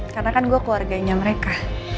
karena kan gue keluarganya mereka